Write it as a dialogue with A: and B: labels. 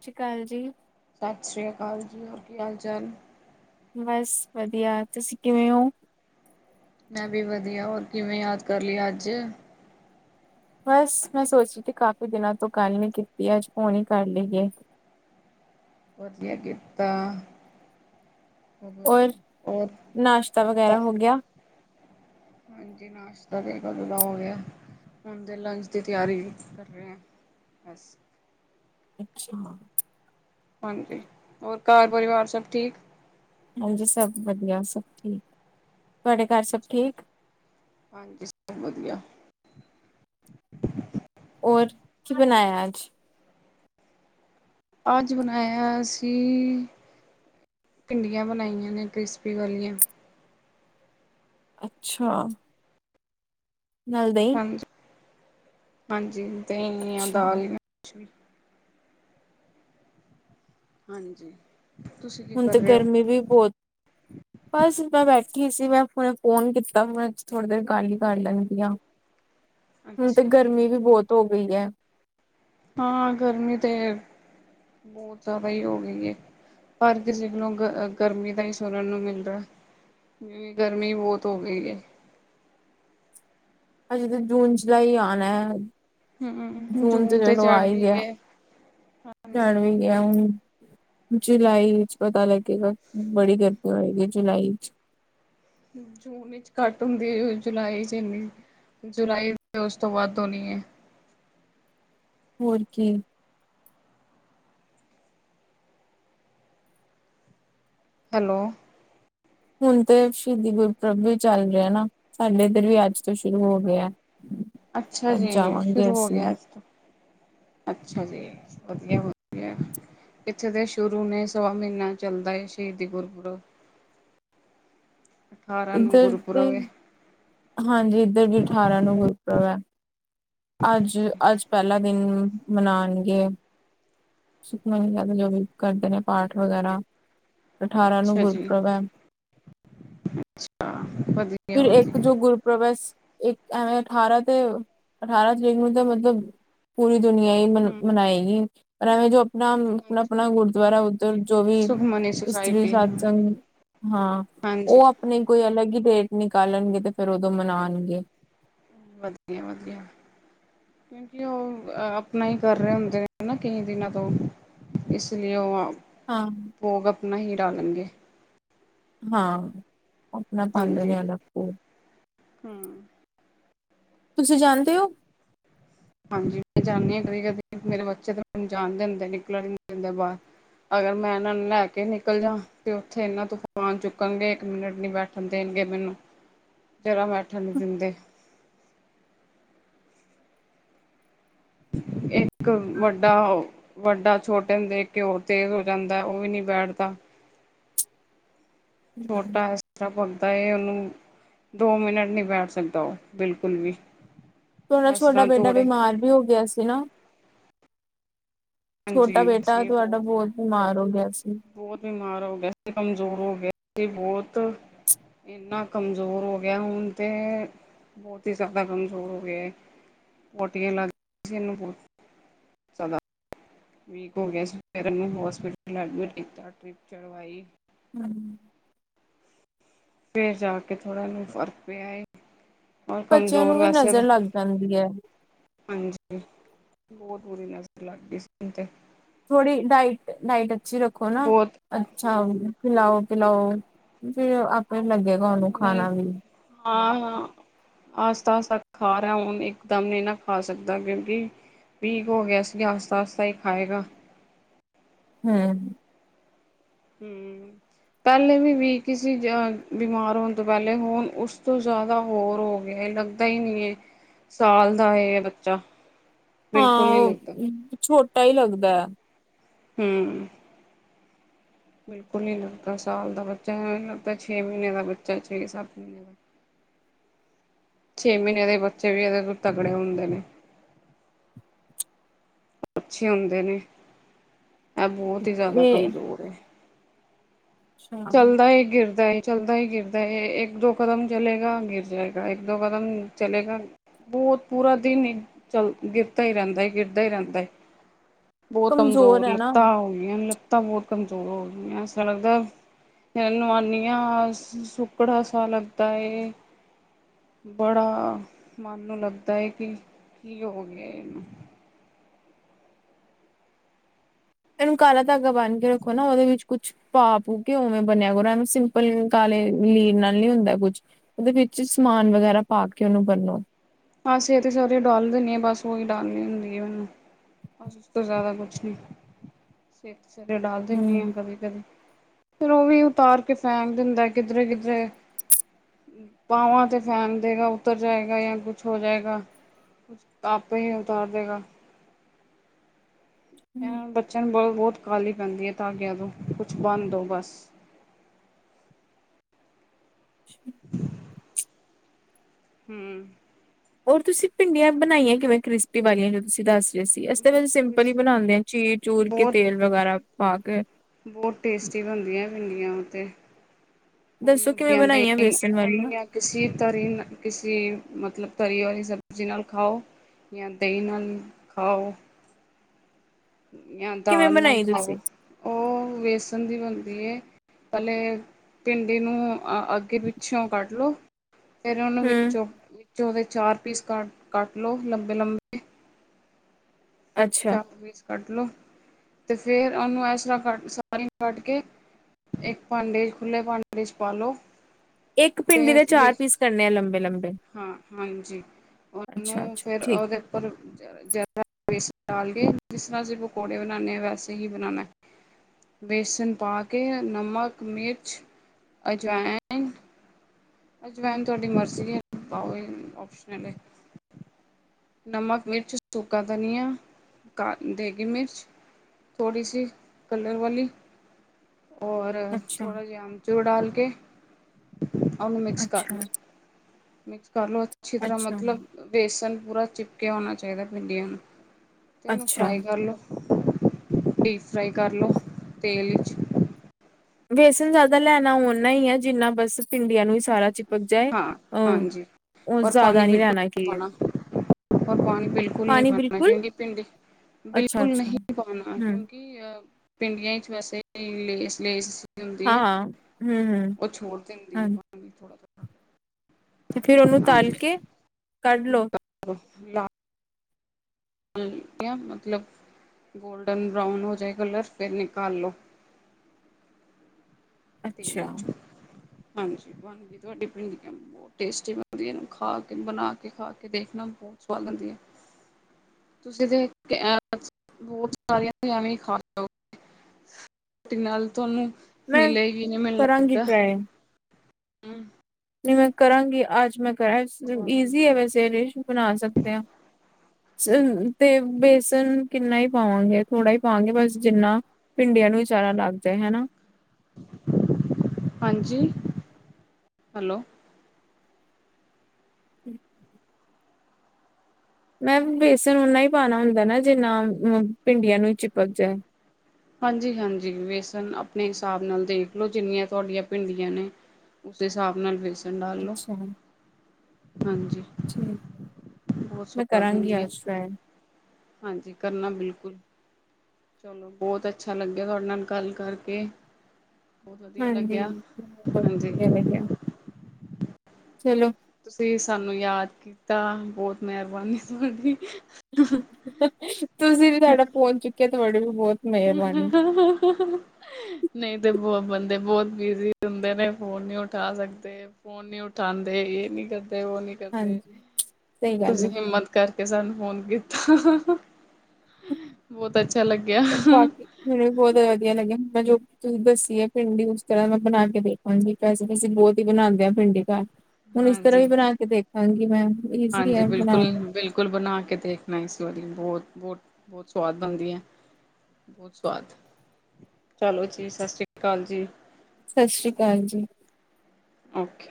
A: ਸਤਿ ਸ਼੍ਰੀ ਅਕਾਲ ਜੀ
B: ਸਤਿ ਸ੍ਰੀ ਅਕਾਲ ਕੀ ਹਾਲ ਚਾਲ
A: ਬਸ ਵਧੀਆ, ਤੁਸੀਂ ਕਿਵੇਂ ਹੋ?
B: ਮੈਂ ਵੀ ਵਧੀਆ, ਹੋਰ ਕਿਵੇਂ ਯਾਦ ਕਰ ਲਈ ਅੱਜ?
A: ਬਸ ਮੈਂ ਸੋਚੀ ਸੀ ਕਾਫੀ ਦਿਨਾਂ ਤੋਂ ਗੱਲ ਨੀ ਕੀਤੀ ਅੱਜ ਹੁਣ ਹੀ ਕਰ ਲਈਏ
B: ਵਧੀਆ ਕੀਤਾ [unintelligible]
A: ਔਰ
B: ਗਿਆ ਹੁ
A: ਨਾਸ਼ਤਾ ਵਗੈਰਾ ਹੋ ਗਿਆ
B: ਤੇ ਲੰਚ ਦੀ ਤਿਆਰੀ ਕਰ ਰਹੇ ਆ ਬਸ
A: ਅੱਛਾ
B: ਹਾਂਜੀ ਹੋਰ ਘਰ ਪਰਿਵਾਰ ਸਭ ਠੀਕ
A: ਹਾਂਜੀ ਸਭ ਵਧੀਆ ਸਭ ਠੀਕ ਤੁਹਾਡੇ ਘਰ ਸਭ ਠੀਕ
B: ਹਾਂਜੀ ਸਭ ਵਧੀਆ
A: ਔਰ, ਕੀ ਬਣਾਇਆ ਅਜ?
B: ਅੱਜ ਬਣਾਇਆ ਸੀ ਭਿੰਡੀਆਂ ਬਣਾਈਆਂ ਨੇ ਕ੍ਰਿਸਪੀ ਵਾਲੀਆਂ
A: ਅੱਛਾ ਨਾਲ ਦਹੀ
B: ਹਾਂਜੀ ਹਾਂਜੀ [unintelligible] ਹਾਂਜੀ ਤੁਸੀਂ ਕੀ
A: ਹੁਣ
B: ਕਰ
A: ਤੇ
B: ਰਹੇ ਹੋ
A: ਗਰਮੀ ਵੀ ਬਹੁਤ ਬਸ ਮੈਂ ਬੈਠੀ ਸੀ ਮੈਂ ਹੁਣੇ ਫੋਨ ਕੀਤਾ ਹੁਣ ਥੋੜ੍ਹੀ ਦੇਰ ਗੱਲ ਹੀ ਕਰ ਲੈਂਦੀ ਆ ਹੁਣ ਤੇ
B: ਅੱਛਾ ਜੀ
A: ਗਰਮੀ ਵੀ ਬਹੁਤ ਹੋ ਗਈ ਹੈ
B: ਹਾਂ ਗਰਮੀ ਤੇ ਬਹੁਤ ਜ਼ਿਆਦਾ ਹੀ ਹੋ ਗਈ ਹੈ ਪਰ ਕਿਸੇ ਕੋਲੋਂ ਗਰਮੀ ਦਾ ਹੀ ਸੁਣਨ ਨੂੰ ਮਿਲਦਾ ਗਰਮੀ ਬਹੁਤ ਹੋ ਗਈ ਹੈ।
A: ਅਜ ਤਾਂ ਜੂਨ ਜੁਲਾਈ ਆਉਣਾ ਹੈ
B: ਹਮ ਜੂਨ ਤੇ ਚੜ ਵੀ ਗਿਆ
A: ਝੜ
B: ਹਾਂਜੀ
A: ਵੀ ਗਿਆ ਹੁਣ ਜੁਲਾਈ ਵਿੱਚ ਪਤਾ ਲੱਗੇਗਾ ਬੜੀ ਗਰਮੀ ਹੋ ਰਹੀ ਹੈ ਜੁਲਾਈ
B: ਜੂਨ ਵਿੱਚ ਘੱਟ ਹੁੰਦੀ ਹੈ ਜੁਲਾਈ ਚ ਇੰਨੀ ਜੁਲਾਈ ਉਸ ਤੋਂ ਵੱਧ ਹੋਣੀ ਹੈ
A: ਹੋਰ ਕੀ
B: ਹੈਲੋ
A: ਹੁਣ ਤੇ ਸ਼ਹੀਦੀ ਗੁਰਪ੍ਰਬ ਵੀ ਚੱਲ ਰਿਹਾ ਨਾ ਸਾਡੇ ਇੱਧਰ ਵੀ ਅੱਜ ਤੋਂ ਸ਼ੁਰੂ ਹੋ ਗਿਆ
B: ਅੱਛਾ
A: ਅੱਜ
B: ਜੀ
A: ਜਾਵਾਂਗੇ
B: ਸ਼ੁਰੂ ਹੋ
A: ਅਸੀਂ
B: ਗਿਆ ਅੱਜ ਤੋਂ ਅੱਛਾ ਜੀ ਵਧੀਆ ਵਧੀਆ ਇੱਥੇ ਦੇ ਸ਼ੁਰੂ ਨੇ ਸਵਾ ਮਹੀਨਾ ਚੱਲਦਾ ਹੈ ਸ਼ਹੀਦੀ ਗੁਰਪੁਰਬ ਅਠਾਰਾਂ ਨੂੰ
A: ਇੱਧਰ ਤੇ
B: ਗੁਰਪੁਰਬ ਹੈ।
A: ਹਾਂਜੀ ਇੱਧਰ ਵੀ ਅਠਾਰਾਂ ਨੂੰ ਗੁਰਪੁਰਬ ਹੈ ਅੱਜ ਅੱਜ ਪਹਿਲਾ ਦਿਨ ਮਨਾਉਣਗੇ ਸੁਖਮਨੀ ਸਾਹਿਬ ਦਾ ਜੋ ਵੀ ਕਰਦੇ ਨੇ ਪਾਠ ਵਗੈਰਾ। ਅਠਾਰਾਂ ਨੂੰ
B: ਅੱਛਾ ਜੀ
A: ਗੁਰਪੁਰਬ ਏ
B: ਅੱਛਾ ਵਧੀਆ
A: ਫਿਰ ਇੱਕ
B: ਵਧੀਆ
A: ਜੋ ਗੁਰਪੂਰਬ ਇੱਕ। ਐਵੇਂ ਅਠਾਰਾਂ ਤੇ ਅਠਾਰਾਂ ਤਰੀਕ ਨੂੰ ਤਾਂ ਮਤਲਬ ਪੂਰੀ। ਦੁਨੀਆਂ ਹੀ
B: ਹਮ
A: ਮਨਾਏਗੀ। ਪਰ ਐਵੇਂ ਜੋ। ਆਪਣਾ
B: ਹਾਂਜੀ
A: ਆਪਣਾ ਗੁਰਦੁਆਰਾ ਉੱਧਰ ਜੋ ਵੀ
B: ਸੁਖਮਨੀ
A: ਇਸਤਰੀ
B: ਸੁਸਾਇਟੀ
A: ਸਤਸੰਗ ਹਾਂ
B: ਹਾਂਜੀ
A: ਉਹ ਆਪਣੀ ਕੋਈ ਅਲੱਗ ਹੀ ਡੇਟ। ਨਿਕਾਲਣਗੇ ਤੇ ਫਿਰ ਉਦੋਂ ਮਨਾਉਣਗੇ।
B: ਵਧੀਆ ਵਧੀਆ ਕਿਉਂਕਿ ਉਹ ਆਪਣਾ ਹੀ ਕਰ ਰਹੇ ਹੁੰਦੇ ਨੇ ਹਨ ਨਾ ਕਈ ਦਿਨਾਂ ਤੋਂ ਇਸ ਲਈ ਉਹ।
A: ਹਾਂ
B: ਭੋਗ ਆਪਣਾ ਹੀ। [unintelligible]
A: ਹਾਂ ਆਪਣਾ
B: ਹਾਂਜੀ
A: ਪਾਉਂਦੇ ਅਲਗ ਤੋ।
B: ਹਮ
A: ਤੁਸੀਂ ਜਾਣਦੇ ਹੋ।
B: ਹਾਂਜੀ, ਮੈਂ ਜਾਣਦੀ ਹਾਂ ਕਦੀ-ਕਦੀ ਮੇਰੇ ਬੱਚੇ ਤਾਂ ਮੈਨੂੰ ਜਾਣ ਨੀ ਦੇਂਦੇ, ਨਿਕਲਣ ਨੀ ਦਿੰਦੇ ਬਾਹਰ, ਅਗਰ ਮੈਂ ਇਹਨਾਂ ਨੂੰ ਲੈ ਕੇ ਨਿਕਲ ਜਾਂ ਤੇ ਉੱਥੇ ਇਹਨਾ ਤੂਫਾਨ ਚੁੱਕਣਗੇ ਇੱਕ ਮਿੰਟ ਨੀ ਬੈਠਣ ਦੇਣਗੇ ਮੈਨੂੰ, ਜ਼ਰਾ ਬੈਠਣ ਨੀ ਦਿੰਦੇ। ਇਹ ਕ ਵੱਡਾ ਹੋਓ ਵੱਡਾ, ਛੋਟੇ ਹੁੰ ਦੇਖ ਕੇ ਹੋਰ ਤੇਜ਼ ਹੋ ਜਾਂਦਾ ਉਹ ਵੀ ਨੀ ਬੈਠਦਾ। ਛੋਟਾ ਇਸ ਤਰ੍ਹਾਂ ਬ ਤਾਹੀਂ ਇਹ ਉਹਨੂੰ ਦੋ ਮਿੰਟ ਨਹੀਂ ਬੈਠ ਸਕਦਾ ਉਹ ਬਿਲਕੁਲ ਵੀ।
A: ਤੋਹਾਡਾ
B: ਇਸ
A: ਛੋਟਾ
B: ਤਰ੍ਹਾਂ
A: ਬੇਟਾ
B: ਦੌੜੇ
A: ਬਿਮਾਰ ਵੀ ਹੋ ਗਿਆ ਸੀ ਨਾ। ਛੋਟਾ
B: ਹਾਂਜੀ
A: ਬੇਟਾ
B: ਅਸੀਂ
A: ਤੁਹਾਡਾ ਬਹੁਤ ਬਿਮਾਰ ਹੋ ਗਿਆ ਸੀ।
B: ਬਹੁਤ ਬਿਮਾਰ ਹੋਯਾ ਸੀ ਕਮਜੋਰ ਹੋ ਸੀ ਬਹੁਤ ਇੰਨਾ ਕਮਜ਼ੋਰ ਹੋ ਗਿਆ ਹੁਣ ਤੇ ਬਹੁਤ ਹੀ ਜ਼ਿਆਦਾ ਕਮਜ਼ੋਰ ਹੋ ਗਇਆ, ਪੋਟੀਆਂ ਲੱਗ ਗਈਆਂ ਸੀ ਇਹਨੂੰ ਬਹੁਤ ਜ਼ਿਆਦਾ। ਵੀਕ ਹੋ ਗਿਆ ਸੁ ਹੋਸਪਿਟਲ ਐਡਮਿਟ ਕੀਤਾ ਟ੍ਰਿਪ ਚਢਵਾਈ।
A: ਹੂੰ।
B: ਫਿਰ ਜਾ ਕੇ ਥੋੜ੍ਹਾ ਇਹਨੂੰ ਫਰਕ ਪਿਆ। ਔਰ
A: ਬੱਚਿਆਂ
B: ਕਮਜ਼ੋਰ
A: ਨੂੰ ਵੀ
B: ਵੈਸੇ ਤਾਂ
A: ਨਜ਼ਰ ਲੱਗ ਜਾਂਦੀ ਹੈ।
B: ਹਾਂਜੀ ਬਹੁਤ ਬੁਰੀ ਨਜ਼ਰ ਲੱਗ ਗਈ ਸੀ ਤੇ।
A: ਥੋੜੀ ਡਾਇਟ ਡਾਇਟ ਅੱਛੀ ਰੱਖੋ ਨਾ,
B: ਬਹੁਤ
A: ਅੱਛਾ। ਖਿਲਾਓ-ਪਿਲਾਓ ਫਿਰ ਆਪ। ਫਿਰ ਲੱਗੇਗਾ ਉਹਨੂੰ, ਖਾਣਾ ਵੀ।
B: ਹਾਂ-ਹਾਂ, ਅਸਤਾ- ਸਤਾ ਖਾ ਰਿਹਾ ਹੁਣ ਇਕਦਮ ਨਹੀਂ ਨਾ ਖਾ ਸਕਦਾ, ਕਿਉਂਕਿ ਵੀਕ ਹੋ ਗਿਆ ਸੀ ਅਸਤਾ-ਅਸਤਾ ਹੀ ਖਾਏਗਾ।
A: ਹੂੰ।
B: ਹੂੰ, ਪਹਿਲੇ ਵੀ ਵੀਕ ਸੀ ਬਿਮਾਰ ਹੋਣ ਤੋਂ ਪਹਿਲੇ ਹੁਣ ਉਸ ਤੋਂ ਜ਼ਿਆਦਾ ਹੋਰ ਹੋ ਗਿਆ, ਲੱਗਦਾ ਹੀ ਨਹੀਂ ਹੈ ਸਾਲ ਦਾ ਇਹ ਹੈ ਬੱਚਾ। ਬਿਲਕੁਲ ਨਹੀਂ
A: ਹਾਂ
B: ਲੱਗਦਾ
A: ਛੋਟ ਟਾ ਹੀ ਲੱਗਦਾ।
B: ਹੂੰ। ਬਿਲਕੁਲ, ਨੀ ਲੱਗਦਾ ਸਾਲ ਦਾ ਬੱਚਾ ਇਜ ਲੱਗਦਾ ਛੇ ਮਹੀਨੇ ਦਾ ਬੱਚਾ ਛੇ- ਸੱਤ ਮਹੀਨੇ ਦਾ ਛੇ ਮਹੀਨੇ ਦੇ ਬੱਚੇ ਵੀ ਇਹਦੇ ਕੋਲ ਤਕੜੇ ਹੁੰਦੇ ਨੇ। ਅੱਛੇ ਹੁੰਦੇ ਨੇ। ਇਹ ਬਹੁਤ ਹੀ ਜ਼ਿਆਦਾ
A: ਇਹ
B: ਕਮਜ਼ੋਰ ਏ।
A: ਅੱਛਾ
B: ਚਲਦਾ ਗਿਰਦਾ ਏ। ਚੱਲਦਾ ਹੀ ਗਿਰਦਾ ਹੈ ਇੱਕ-ਦੋ ਕਦਮ ਚਲੇਗਾ ਗਿਰ ਜਾਏਗਾ ਇੱਕ-ਦੋ ਕਦਮ ਚਲੇਗਾ, ਬਹੁਤ ਪੂਰਾ ਦਿਨ ਚੱਲ, ਗਿਰਦਾ ਹੀ ਰਹਿੰਦਾ ਹੈ, ਗਿਰਦਾ ਹੀ ਰਹਿੰਦਾ ਹੈ। ਬਹੁਤ ਕਮਜ਼ੋਰ
A: ਹੈ ਨਾ
B: ਲੱਤਾਂ ਹੋਗਿਆਂ ਲੱ ਲਤਾ ਬਹੁਤ ਕਮਜ਼ੋਰ ਹੋ ਗਈਆਂ, ਐਸਾ ਲੱਗਦਾ ਨਵਾਨਿਆ ਸੁੱਕੜਾ ਸ ਲੱਗਦਾ ਹੈ, ਬੜਾ ਮਨ ਨੂੰ ਲੱਗਦਾ ਹੈ ਕਿ ਕੀ ਹੋ ਗਿਆ ਇਹਨੂੰ।
A: ਇਹਨੂੰ ਕਾਲਾ ਧਾਗਾ ਬੰਨ ਕੇ ਰੱਖੋ ਨਾ, ਉਹਦੇ ਵਿੱਚ ਕੁਛ ਪਾ-ਪੁ ਕੇ ਉਵੇਂ ਬਣਿਆ ਕਰੋ, ਇਹਨੂੰ ਸਿੰਪਲ ਕਾਲੇ ਲੀੜ ਨਾਲ ਨਹੀਂ ਹੁੰਦਾ ਕੁਛ ਉਹਦੇ ਵਿੱਚ ਸਮਾਨ ਵਗੈਰਾ ਪਾ ਕੇ ਉਹਨੂੰ ਬੰਨੋ।
B: ਆ ਸੇਹਤੇ ਸਾਰੇ ਡਾਲਦੇਦੇ ਆ ਬਸ ਉਹੀ ਡਾਲਣੀ ਹੁੰਦੀ ਆ ਮੈਨੂੰ, ਬਸ ਉਸ ਤੋਂ ਜ਼ਿਆਦਾ ਕੁਛ ਨੀ। ਸਵੇਰੇ ਡਾਲ ਦਿੰਦੀ ਹਾਂ
A: ਹਮ
B: ਕਦੇ-ਕਦੇ। ਫਿਰ ਉਹ ਵੀ ਉਤਾਰ ਕੇ ਫੈਕ ਦਿੰਦਾ ਕਿਧਰੇ ਕਿੱਧਰੇ ਬਾਵਾਂ ਤੇ ਫੈਕ ਦੇਗਾ ਉਤਰ ਜਾਏਗਾ ਜਾਂ ਕੁਛ ਹੋ ਜਾਏਗਾ ਕੁਛ ਆਪੇ ਹੀ ਉਤਾਰ ਦੇਗਾ ਕ ਬੱਚਨ ਬਹੁਤ ਬਹੁਤ [unintelligible] ਕਾਹਾਲੀ ਪੈਂਦੀ ਹੈ ਤਾਂ ਧਾਗਿਆਂ ਤੋਂਕੁਛ ਬੰਣ ਦਉ ਬਸ
A: ਹ
B: ਹਮ
A: ਹੋਰ ਤੁਸੀਂ ਭਿੰਡੀਆਂ ਬਣਾਈਆਂ ਕਿਵੇਂ ਕ੍ਰਿਸਪੀ ਵਾਲੀਆਂ ਜੋ ਤੁਸੀਂ ਦੱਸ ਰਹੇ ਸੀ ਤੇ ਸਿੰਪਲ ਹੀ ਬਣਾਉਂਦੇ ਆ ਚੀਰ ਚੂਰ ਕੇ
B: ਬਹੁਤ
A: ਤੇਲ ਵਗੈਰਾ ਪਾ ਕੇ
B: ਬਹੁਤ ਟੇਸਟੀ ਬਣਦੀਆਂ ਭਿੰਡੀਆਂ ਤੇ
A: ਦੱਸੋ
B: ਉਹਨੂੰ
A: ਕਿਵੇਂ
B: ਜਾਂਦੇ
A: ਬਣਾਈਆਂ ਬੇਸਣ
B: ਉਹਨੂੰ
A: ਵਾਲੀਆਂ
B: ਜਾਂ ਕਿਸੇ ਤਰ੍ਹਾਂ ਕਿਸੇ ਮਤਲਬ ਤਰੀ ਵਾਲੀ ਸਬਜ਼ੀ ਨਾਲ ਖਾਓ ਜਾਂ ਦਹੀਂ ਨਾਲ ਖਾਓ ਜਾਂ
A: ਕਿਵੇਂ
B: ਦਾਲ ਨਾਲ
A: ਬਣਾਈ
B: ਖਾਓ
A: ਤੁਸੀਂ
B: ਉਹ ਵੇਸਣ ਦੀ ਬ ਪਹਿਲੇ ਭਿੰਡੀ ਨੂੰ ਅੱਗੇ ਪਿੱਛੋਂ ਕੱਢ ਲਓ ਫਿਰ ਉਹਨੂੰ
A: ਹੂੰ
B: ਵਿੱਚੋ ੋਂ ਦੇ ਚਾਰ ਪੀਸ ਕੱਟ ਲੋ ਲੰਬੇ ਲੰਬੇ
A: ਅੱਛਾ
B: ਚਾਰ ਬੀ ਕੱਟ ਲਓ ਅਤੇ ਫਿਰ ਉਹਨੂੰ ਇਸ ਤਰ੍ਹਾਂ ਕੱਟ ਸਾਰੀਆਂ ਕੱਟ ਕੇ ਇੱਕ ਭਾਂਡੇ 'ਚ ਖੁੱਲ੍ਹੇ ਭਾਂਡੇ 'ਚ ਪਾ ਲਉ
A: ਇੱਕ
B: ਤੇ
A: ਭਿੰਡੀ ਦੇ
B: ਵੀ
A: ਚਾਰ ਪੀਸ ਕਰਨੇ ਆ ਲੰਬੇ ਲੰਬੇ
B: ਹਾਂ ਹਾਂਜੀ ਉਹਨੂੰ
A: ਅੱਛਾ ਅੱਛਾ
B: ਫਿਰ
A: ਠੀਕ
B: ਉਸਦੇ ਉਪਰ ਜ਼ਦਾ ਵੇਸ ਜਿਸ ਨਾਲ ਸਿਰਫ ਪਕੋੜੇ ਬਣਾਉਦੇ ਵੈਸੇ ਹੀ ਬਣਾਣਾ ਬੇਸਨ ਪਾ ਕੇ ਨਮਕ ਮਿਰਚ ਅਜਵੇਨ ਅੱਜਵੈਨ ਤੁਹਾਡੀ ਮਰਜ਼ੀ ਪਾਓ ਆਪ ਓਪਸ਼ਨਾਲ ਹੈ ਨਮਕ ਮਿਰਚ ਸੁਕਾ ਧਨੀਆ ਕਾ ਦੇਗੀ ਮਿਰਚ ਥੋੜ੍ਹੀ ਸੀ ਕਲਰ ਵਾਲੀ ਔਰ
A: ਹੈ। ਅੱਛਾ
B: ਥੋੜਾ ਜਿਹਾ ਆਮਚੂਰ ਡਾਲ ਤੇ ਉਹਨੂੰ ਮਿਕਸ ਕਰ
A: ਅੱਛਾ
B: ਲੋ ਮਿਕਸ ਕਰ ਲਉ ਅੱਛੀ ਤਰ੍ਹਾਂ
A: ਅੱਛਾ
B: ਮਤਲਬ ਬੇਸਨ ਪੂਰਾ ਚਿਪਕਿਆ ਹੋਣਾ ਚਾਹੀਦਾ ਭਿੰਡੀਆਂ ਨੂੰ ਤੇ ਉਹਨੂੰ
A: ਅੱਛਾ
B: ਫਰਾਈ ਕਰ ਲੋ ਢੀਪ ਫਰਾਈ ਕਰ ਲੋ ਤੇਲ ਵਿੱਚ
A: ਵੇਸਨ ਜ਼ਿਆਦਾ ਲੈਣਾ ਉਨਾ ਈ ਹੈ ਜਿੰਨਾ ਬਸ ਭਿੰਡੀ
B: ਹਾ ਹਾਂਜੀ
A: ਉਹ
B: ਔਰ ਪਾਣੀ
A: ਜ਼ਿਆਦਾ ਨਹੀਂ
B: ਬਿਲਕੁਲ
A: ਲੈਣਾ ਕਿ
B: ਪਾਣਾ ਬਿਲਕੁਲ ਨਹੀਂ
A: ਪਾਣੀ
B: ਪਾਣਾ
A: ਬਿਲਕੁਲ
B: ਕਿਉਂਕਿ ਭਿੰਡੀ
A: ਅੱਛਾ
B: ਬਿਲਕੁਲ
A: ਅੱਛਾ ਹੂੰ
B: ਨਹੀਂ ਪਾਉਣਾ
A: ਹਾਂ
B: ਕਿਉਂਕਿ ਆ ਭਿੰਡੀਆਂ ਚ ਵੈਸੇ ਵੀ ਲੇਸ ਲੇਸ ਹੁੰਦੀ
A: ਹਾਂ
B: ਹੈ
A: ਹਾ ਹੂ ਹੂ
B: ਉਹ ਛੋੜ ਦਿੰਦੀ ਹੈ
A: ਹਾਜ
B: ਪਾਣੀ ਥੋੜਾ ਆਪਾ [unintelligible]
A: ਤੇ ਫੇਰ ਉਹਨੂੰ ਤਲ ਕੇ, ਕੱਢ ਲਓ
B: ਨਾ ਕਿਆ ਮਤਲਬ, ਗੋਲਡਨ ਬਰਾਊਨ ਹੋ ਜਾਏ ਕਲਰ ਫੇਰ ਨਿਕਾਲ ਲੋ ਤੇਲ
A: ਅੱਛਾ
B: ਵਿੱਚੋਂ ਹਾਂਜੀ ਬਣ ਤੁਹਾਡੀ ਭਿੰਡੀਆਂ ਬਹੁਤ ਟੈਸਟੀ ਬਨਦੀ, ਖਾ ਕੇ ਬਣਾ ਕੇ, ਖਾ ਕੇ ਦੇਖਣਾ ਬਹੁਤ ਸਵਾਦ ਹੁੰਦੀ ਆ ਤੁਸੀਂ ਦੇਖ ਕੇ ਬਹੁਤ ਸਾਰੀ ਐਵੇ ਹੀ ਖਾਜੋਗੇ, ਤੇ ਨਾਲ ਤੁਹਾਨੂੰ
A: ਮੈਂ
B: ਮਿਲੇਗੀ
A: ਕਰਾਂਗੀ ਟਰਾਈ
B: ਹੂ
A: ਨਹੀਂ ਮੈਂ ਕਰਾਂਗੀ ਅੱਜ ਮੈਂ ਵੇਸ
B: ਸਵਾਦ
A: ਈਜ਼ੀ
B: ਹੁੰਦੀ
A: ਹੈ ਵੈਸੇ ਬਣਾ ਸਕਦੇ ਹਾ ਤੇ ਬੇਸਨ ਕਿੰਨਾ ਹੀ ਪਾਵਾਂਗੇ ਥੋੜਾ ਹੀ ਪਾਵਾਂਗੇ ਬਸ ਜਿੰਨਾ ਭਿੰਡੀਆਂ ਨੂੰ ਹੀ ਸਾਰਾ ਲੱਗ ਜਾਏ, ਹੈਨਾ
B: ਹਾਂਜੀ, ਹੈਲੋ
A: ਮੇਮ ਬੇਸਨ ਉਨਾ ਹੀ ਪਾਉਣਾ ਹੁੰਦਾ ਨਾ, ਜਿੰਨਾ ਭਿੰਡੀਆਂ ਨੂੰ ਹੀ ਚਿਪਕ ਜਾਏ
B: ਹਾਂਜੀ -ਹਾਂਜੀ ਵੇਸਣ ਆਪਣੇ ਹਿਸਾਬ ਨਾਲ ਦੇਖ ਲਓ ਜਿੰਨੀਆਂ ਤੁਹਾਡੀਆਂ ਭਿੰਡੀਆਂ ਨੇ ਤੇ ਹਿਸਾਬ ਨਾਲ ਵੇਸਣ ਚੰਡਾ ਲੋ
A: ਅੱਛਾ
B: ਹਾਂਜੀ
A: ਠੀਕ
B: ਬਹੁਤ
A: ਮੈਂ
B: ਸਵਾਦ
A: ਕਰਾਂਗੀ
B: ਬਣਦੀਆਂ ਹੈ,
A: ਅੱਜ ਟਰਾਈ
B: ਹਾਂਜੀ ਕਰਨਾ ਬਿਲਕੁਲ ਚਲੋ ਬਹੁਤ ਅੱਛਾ ਲੱਗਿਆ ਤੁਹਾਡੇ ਨਾਲ ਗੱਲ ਕਰਕੇ ਬਹੁਤ ਵਧੀਆ
A: ਹਾਂਜੀ
B: ਲੱਗਿਆ,
A: ਮੈਨੂੰ ਬਹੁਤ
B: ਹਾਂਜੀ
A: ਵਧੀਆ ਲੱਗਿਆ ਚਲੋ
B: ਤੁਸੀਂ ਸਾਨੂੰ ਯਾਦ ਕੀਤਾ ਬਹੁਤ ਮੇਹਰਬਾਨੀ ਤੁਹਾਡੀ
A: ਤੁਸੀਂ ਵੀ ਤੁਹਾਡਾ ਫੋਨ ਚੁੱਕਿਆ ਤੁਹਾਡੇ ਕੋ
B: ਹੂ -ਹੂ- ਹ- ਹ ਨਹੀਂ ਤੇ ਬੌ ਬੰਦੇ ਬੌਤ ਬਿਜ਼ੀ ਹੁੰਦੇ ਨੇ ਫੋਨ ਨੀ ਉਠਾ ਸਕਦੇ ਫੋਨ ਨੀ ਉਠਾਂਦੇ ਯੇ ਨੀ ਕਰ ਤੇ ਔ ਨੀ ਕਰਦੇ।
A: ਹਾਂਜੀ ਸਹੀ ਗੱਲ
B: ਤੁਸੀਂ
A: ਹੈ
B: ਹਿੰਮਤ ਕਰ ਤੇ ਸਾਨੂੰ ਫੋਨ ਕੀਤਾ। ਬਹੁਤ ਅੱਛਾ ਲੱਗਿਆ
A: ਬਾਕੀ ਮੈਨੂੰ ਵੀ ਬੌਤ ਵਧੀਆ ਲੱਗਿਆ। ਮੈਂ ਜੋ ਵੀ ਤੁਸੀਂ ਦੱਸੀ ਐ ਭਿੰਡੀ ਉਸ ਤਰ੍ਹਾਂ ਮੈਂ ਬਣਾ ਕੇ ਦੇਖਾਂਗੀ ਵੈਸੇ ਵੀ ਅਸੀ ਬੌਤ ਬਣਾਦੇ ਆ ਭਿੰਡੀ ਤਾਂ ਹੁਣ ਇਸ ਤਰ੍ਹਾਂ ਵੀ
B: ਹਾਂਜੀ
A: ਬਣਾ ਕੇ ਦੇਖ ਹਾਂਜੀ, ਮੈਮ।
B: ਹਾਂਜੀ, ਬਿਲਕੁਲ, ਬਿਲਕੁਲ ਬਣਾ ਕੇ ਦੇਖਣਾ ਇਸ ਬਹੁਤ -ਬਹੁਤ, ਬਹੁਤ ਸਵਾਦ ਬੰਦੀਆਂ ਏ, ਬਹੁਤ ਸਵਾਦ, ਚਲੋ ਜੀ ਸਤਿ ਸ਼੍ਰੀ ਅਕਾਲ ਜੀ
A: ਸਤਿ ਸ਼੍ਰੀ ਅਕਾਲ ਜੀ
B: ਓਕੇ।